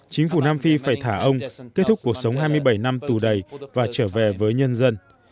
chính phủ nam phi phải thả ông kết thúc cuộc sống hai mươi bảy năm tù đầy và trở về với nhân dân